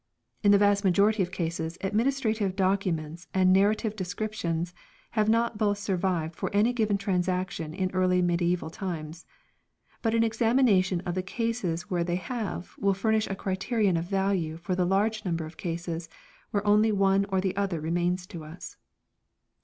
In the vast majority of cases administrative documents and nar rative descriptions have not both survived for any given transaction in early mediaeval times. But an examination of the cases where they have will furnish a criterion of value for the large number of cases where only the one or the other remains to us.